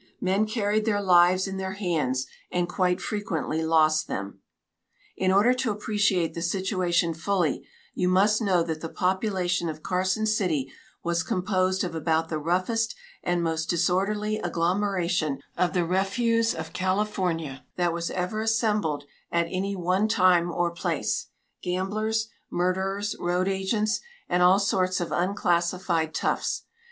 Men carried their lives in their hands, and quite frequently lost them. In order to appreciate the situation fully, you must know that the population of Carson City was composed of about the roughest and most disorderly agglomeration of the refuse of California that was ever assembled at any one time or place, gamblers, murderers, road agents, and all sorts of unclassified toughs.